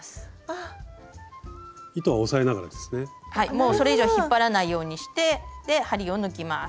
もうそれ以上は引っ張らないようにして針を抜きます。